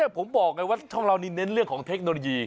ผมบอกไงว่าช่องเรานี่เน้นเรื่องของเทคโนโลยี